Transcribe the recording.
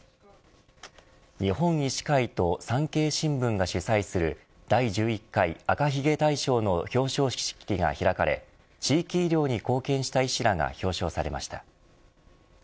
日本医師会と産経新聞が主催する第１１回赤ひげ大賞の表彰式が開かれ地域医療に貢献した医師らが表彰されました。